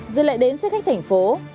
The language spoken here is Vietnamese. dư lại đến xe khách thành phố